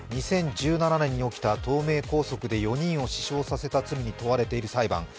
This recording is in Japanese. ８位、２０１７年に起きた東名高速で４人を死傷させた罪に問われている裁判。